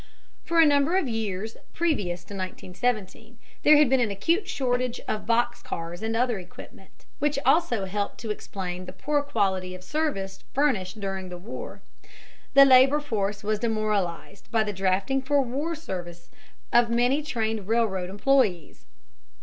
For a number of years previous to 1917 there had been an acute shortage of box cars and other equipment, which also helps to explain the poor quality of service furnished during the war. The labor force was demoralized by the drafting for war service of many trained railroad employees.